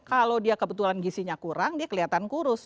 kalau dia kebetulan gisinya kurang dia kelihatan kurus